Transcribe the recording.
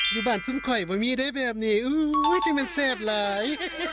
อยู่บ้านทุ่มไข่บะมิได้แบบนี้อู้วจริงมันแซ่บหลาย